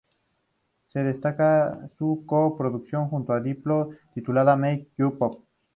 Se destaca su co-producción junto a Diplo titulada "Make You Pop".